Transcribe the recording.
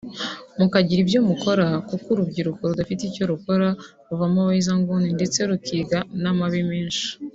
mukagira ibyo mukora kuko urubyiruko rudafite icyo rukora ruvamo abahezanguni ndetse rukiga n’amabi menshi